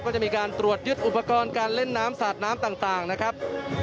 ก็จะมีการตรวจยึดอุปกรณ์การเล่นน้ำสาดน้ำต่างนะครับ